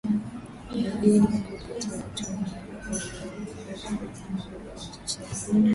Ni dini kuu kati ya watu wengi wa Kaukazi kama vile Wachecheni